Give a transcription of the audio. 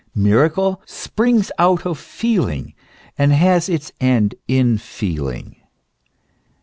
Miracle springs out of feeling, and has its end in feeling.